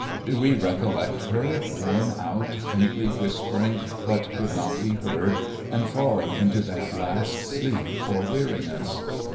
Do we recollect her, worn out, faintly whispering what could not be heard, and falling into that last sleep for weariness